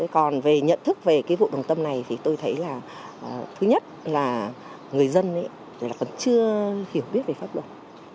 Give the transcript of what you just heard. còn về nhận thức về cái vụ đồng tâm này thì tôi thấy là thứ nhất là người dân là còn chưa hiểu biết về pháp luật